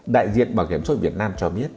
đại diện bảo hiểm xã hội việt nam cho biết